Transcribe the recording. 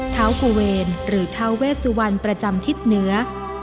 เท้ากุเวรประจำทิศเหนือ